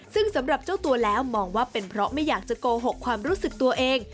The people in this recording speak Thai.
ซึ่งสำหรับเจ้าตัวแล้วมองว่าเป็นเพราะไม่อยากจะโกหกความรู้สึกตัวเอง